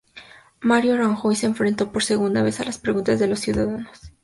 Mariano Rajoy se enfrentó por segunda vez a las preguntas de los ciudadanos.